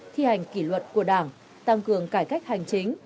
thi hành kỷ luật của đảng tăng cường cải cách hành chính